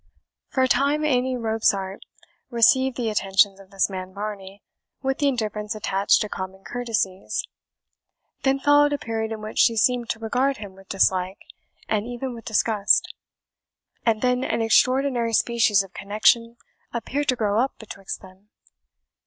For a time Amy Robsart received the attentions of this man Varney with the indifference attached to common courtesies; then followed a period in which she seemed to regard him with dislike, and even with disgust; and then an extraordinary species of connection appeared to grow up betwixt them.